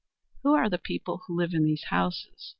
"Who are the people who live in these houses?"